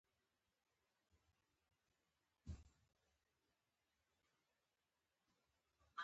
د الوتکې له کېناستو دوړه جوړه شوه.